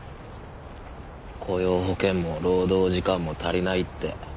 雇用保険も労働時間も足りないって。